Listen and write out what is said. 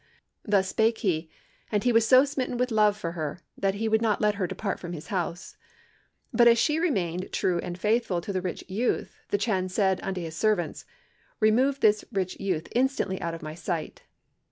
"Thus spake he, and he was so smitten with love of her, that he would not let her depart from his house. But as she remained true and faithful to the rich youth, the Chan said unto his servants, 'Remove this rich youth instantly out of my sight.'